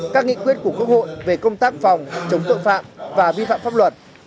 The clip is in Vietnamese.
các nghị quyết của quốc hội về công tác phòng chống tội phạm và vi phạm pháp luật